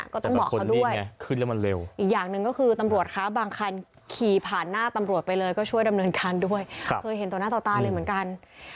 ก็ต้องบอกเขาด้วยขึ้นแล้วมันเร็วอีกอย่างหนึ่งก็คือตำรวจคะบางคันขี่ผ่านหน้าตำรวจไปเลยก็ช่วยดำเนินการด้วยเคยเห็นต่อหน้าต่อตาเลยเหมือนกัน